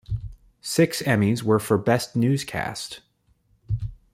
Six Emmys were for Best Newscast.